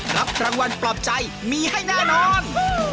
รับรางวัลปลอบใจมีให้แน่นอน